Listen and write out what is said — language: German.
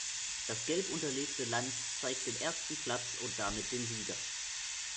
Das gelb unterlegte Land zeigt den ersten Platz und damit den Sieger.